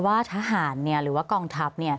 ว่าทหารหรือว่ากองทัพ